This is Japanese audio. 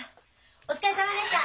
お疲れさまでした。